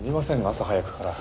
朝早くから。